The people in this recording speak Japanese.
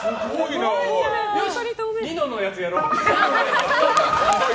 ニノのやつ、やろう。